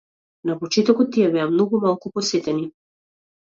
На почетокот тие беа многу малку посетени.